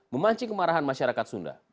memancing kemarahan masyarakat sunda